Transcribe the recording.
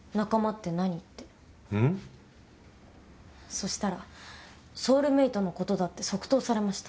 そしたらソウルメートのことだって即答されました。